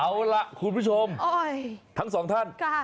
เอาล่ะคุณผู้ชมทั้งสองท่าน